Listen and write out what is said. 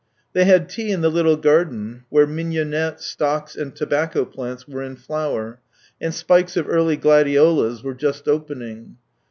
They had tea in the little garden, where mignonette, stocks, and tobacco plants were in flower, and spikes of early gladiolus were just opening.